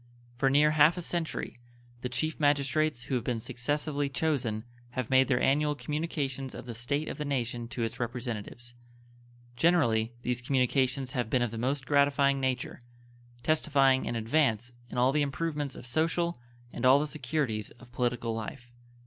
For near half a century the Chief Magistrates who have been successively chosen have made their annual communications of the state of the nation to its representatives. Generally these communications have been of the most gratifying nature, testifying an advance in all the improvements of social and all the securities of political life.